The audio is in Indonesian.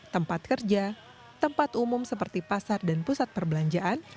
tempat kerja tempat umum seperti pasar dan pusat perbelanjaan